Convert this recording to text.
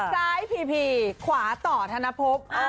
ซ้ายพีขวาต่อธนภพ